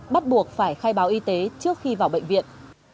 bắt buộc phải khai báo y tế trước khi vào bệnh viện